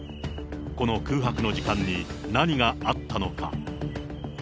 この空白の時間に何があったのか。